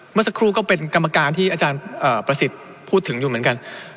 เมื่อสักครู่ก็เป็นกรรมการที่อาจารย์ประสิทธิ์พูดถึงอยู่เหมือนกัน